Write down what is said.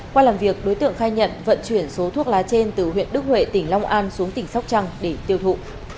qua làm việc đối tượng khai nhận vận chuyển số thuốc lá trên từ huyện đức huệ tỉnh long an xuống tỉnh sóc trăng để tiêu thụ